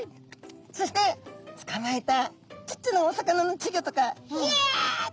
そしてつかまえたちっちゃなお魚のちぎょとかひゃっ！